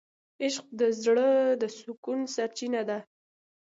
عشق د زړه د سکون سرچینه ده.